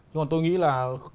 nhưng mà tôi nghĩ là